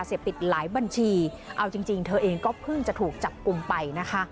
เอาจริงเธอเองก็เพิ่งจะถูกจับกลุ่มไปนะคะ